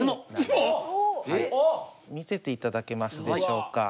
見せていただけますでしょうか？